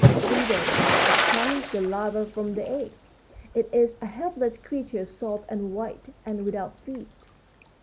In three days out comes the larva from the egg. It is a helpless creature, soft and white, and without feet.